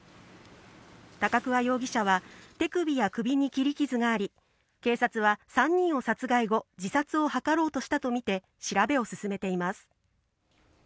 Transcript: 高桑容疑者は、手首や首に切り傷があり、警察は３人を殺害後、自殺を図ろうとしたと見て、調べを進めています。